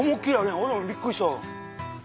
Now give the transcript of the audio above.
俺もびっくりした。